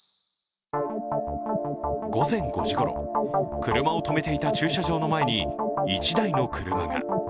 午前５時ごろ、車を止めていた駐車場の前に１台の車が。